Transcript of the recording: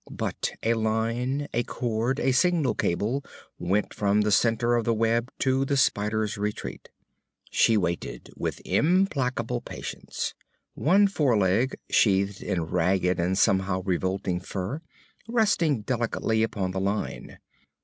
But a line, a cord, a signal cable went from the center of the web to the spider's retreat. She waited with implacable patience, one foreleg sheathed in ragged and somehow revolting fur resting delicately upon the line.